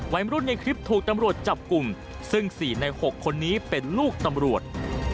วัยรุ่นในคลิปถูกตำรวจจับกลุ่มซึ่ง๔ใน๖คนนี้เป็นลูกตำรวจ